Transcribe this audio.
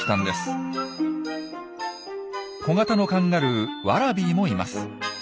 小型のカンガルーワラビーもいます。